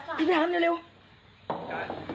พอพี่ผู้ใหญ่